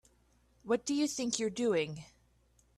What do you think you're doing?